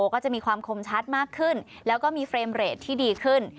ก็จะมีความคมชัดมากขึ้นแล้วก็มีเฟรมเรทที่ดีขึ้น